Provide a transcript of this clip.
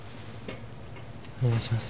お願いします。